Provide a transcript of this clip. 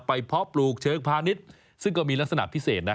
เพาะปลูกเชิงพาณิชย์ซึ่งก็มีลักษณะพิเศษนะ